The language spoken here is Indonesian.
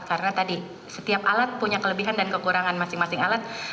karena tadi setiap alat punya kelebihan dan kekurangan masing masing alat